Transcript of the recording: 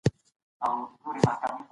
لويه جرګه پر اقتصادي پروژو بحث کوي.